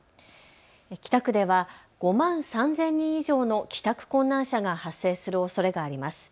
北区では５万３０００人以上の帰宅困難者が発生するおそれがあります。